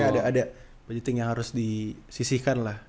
ada budgeting yang harus disisihkan lah